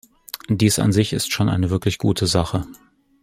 Dies an sich ist schon eine wirklich gute Sache.